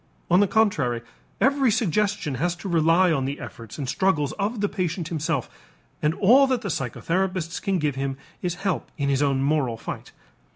On the contrary, every suggestion has to rely on the efforts and struggles of the patient himself and all that the psychotherapists can give him is help in his own moral fight.